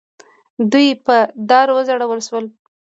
دوی په دار وځړول شول.